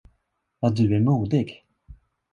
Vad du är modig!